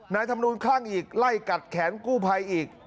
นายธรรมนูนข้างอีกไล่กัดแขนกู้ภัยอีก